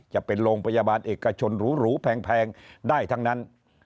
จะเป็นโรงพยาบาลเอกชนหรูแพงได้ทั้งนั้น